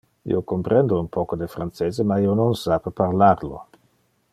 Io comprende un poco de francese ma io non sape parlar lo.